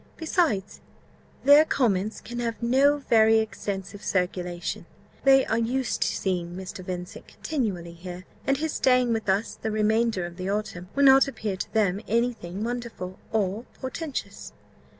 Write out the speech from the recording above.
Besides, their comments can have no very extensive circulation; they are used to see Mr. Vincent continually here; and his staying with us the remainder of the autumn will not appear to them any thing wonderful or portentous."